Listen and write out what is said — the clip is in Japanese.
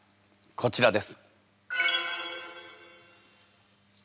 こちらです。